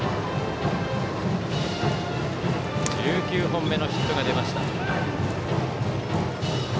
１９本目のヒットが出ました。